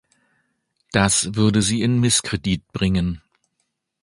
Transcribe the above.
Das würde sie in Misskredit bringen.